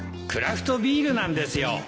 クラフトビールなんですよ